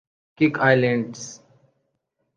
Cook Islands